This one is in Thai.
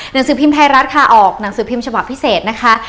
หนังสือพิมพ์ไทยรัฐค่ะออกหนังสือพิมพ์ฉบับพิเศษนะคะ